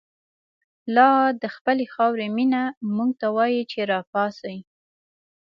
لادخپلی خاوری مینه، موږ ته وایی چه راپاڅئ